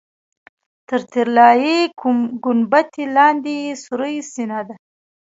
تر طلایي ګنبدې لاندې یې سورۍ سینه ده.